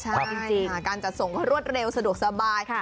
ใช่จริงการจัดส่งก็รวดเร็วสะดวกสบาย